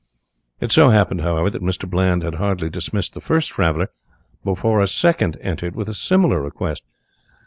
It so happened, however, that Mr. Bland had hardly dismissed the first traveller before a second entered with a similar request.